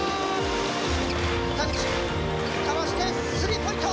田口かわして３ポイント！